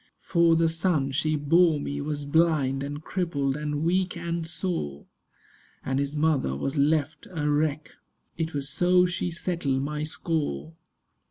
For the son she bore me was blind And crippled and weak and sore! And his mother was left a wreck. It was so she settled my score.